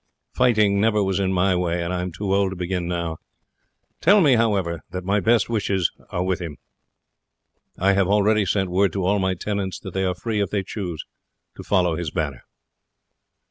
Fighting never was in my way, and I am too old to begin now. Tell him, however, that my best wishes are with him. I have already sent word to all my tenants that they are free, if they choose, to follow his banner."